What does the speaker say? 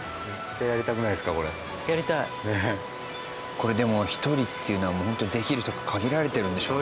これでも１人っていうのはもうホントできる人が限られてるんでしょうね。